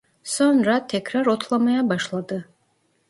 Sonra, tekrar otlamaya başladı.